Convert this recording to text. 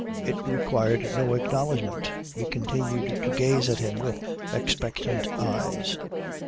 It required no acknowledgment. We continued to gaze at him with expectant eyes.